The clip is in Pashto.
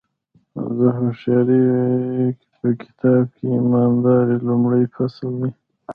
د هوښیارۍ په کتاب کې ایمانداري لومړی فصل دی.